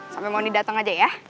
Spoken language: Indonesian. sampai moni dateng aja ya